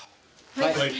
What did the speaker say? はい。